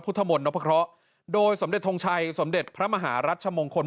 พุทธมนต์นพเคราะห์โดยสมเด็จทงชัยสมเด็จพระมหารัชมงคล